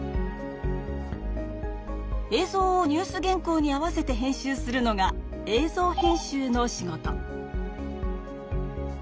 映像をニュース原こうに合わせて編集するのが映像編集の仕事。